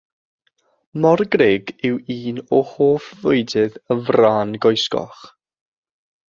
Morgrug yw un o hoff fwydydd y frân goesgoch.